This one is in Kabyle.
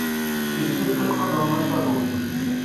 Yessefk ad tqadrem asaḍuf.